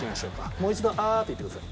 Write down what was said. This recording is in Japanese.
もう一度「あー」と言ってください。